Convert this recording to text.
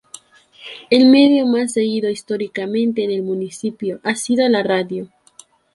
El medio más seguido históricamente en el municipio ha sido la radio.